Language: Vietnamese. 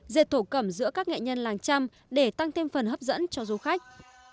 dệt thổ cẩm giữa các nghệ nhân làng trăm để tăng thêm phần hấp dẫn cho du khách